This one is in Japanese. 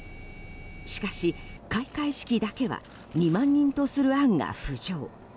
しかし、開会式だけは２万人とする案が浮上。